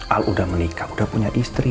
al udah menikah udah punya istri